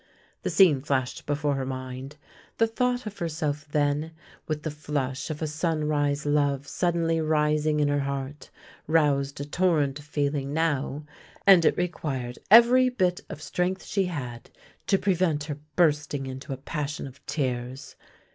The scene flashed before her mind. The thought of herself then, with the flush of a sunrise love suddenly rising in her heart, roused a torrent of feeling now, and it re quired every bit of strength she had to prevent her bursting into a passion of tears.